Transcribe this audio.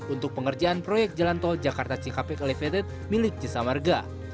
untuk pengerjaan proyek jalan tol jakarta cikampek elevated milik jasa marga